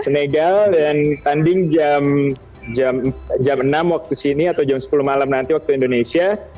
senegal dan tanding jam enam waktu sini atau jam sepuluh malam nanti waktu indonesia